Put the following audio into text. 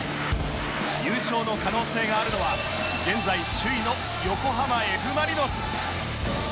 優勝の可能性があるのは現在首位の横浜 Ｆ ・マリノス